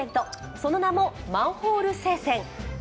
その名も、マンホール聖戦。